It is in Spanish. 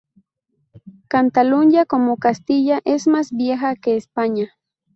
Catalunya, como Castilla, es más vieja que España.